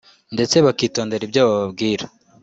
ndetse bakitondera ibyo bababwira